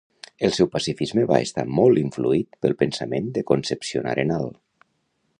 El seu pacifisme va estar molt influït pel pensament de Concepción Arenal.